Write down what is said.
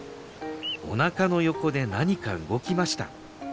おなかの横で何か動きました。